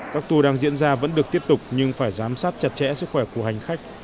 các tour đang diễn ra vẫn được tiếp tục nhưng phải giám sát chặt chẽ sức khỏe của hành khách